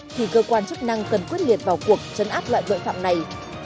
thì cơ quan chức năng cần quyết liệt vào cuộc chấn áp loại tội phạm này